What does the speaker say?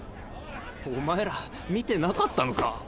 お前ら見てなかったのか？